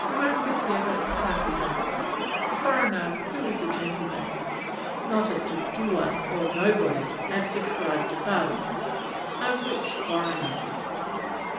Rangatira pakeha A foreigner who is a gentleman (not a tutua, or nobody, as described above), a rich foreigner.